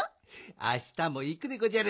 あしたもいくでごじゃる。